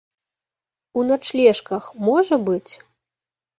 У начлежках, можа быць?